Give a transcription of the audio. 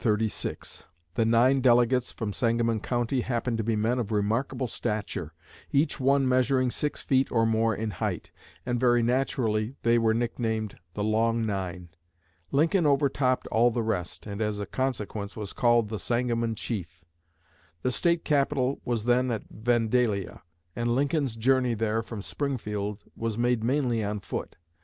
The nine delegates from Sangamon County happened to be men of remarkable stature, each one measuring six feet or more in height; and very naturally they were nicknamed the "Long Nine." Lincoln overtopped all the rest, and as a consequence was called "the Sangamon Chief." The State capital was then at Vandalia; and Lincoln's journey there from Springfield was made mainly on foot.